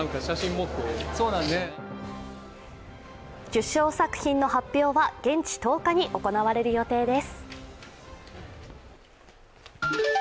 受賞作品の発表は現地１０日に行われる予定です。